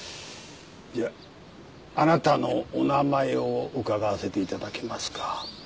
じゃあなたのお名前を伺わせていただけますか？